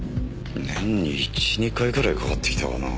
年に１２回ぐらいかかってきたかな。